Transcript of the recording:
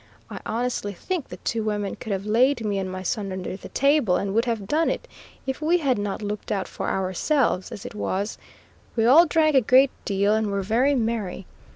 I honestly think the two women could have laid me and my son under the table, and would have done it, if we had not looked out for ourselves; as it was, we all drank a great deal and were very merry.